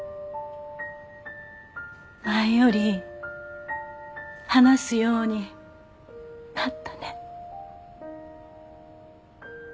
前より話すようになったね。